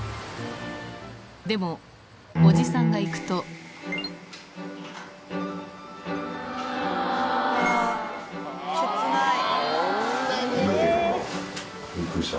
でもおじさんが行くと切ない。